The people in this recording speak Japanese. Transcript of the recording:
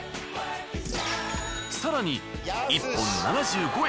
更に１本７５円